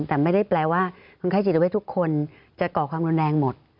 แต่ไม่ได้แปลว่าคุณไข้จิตว่าให้ทุกคนจะเกาะความรุนแรงหมด